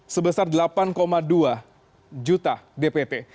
sebesar delapan dua juta dpt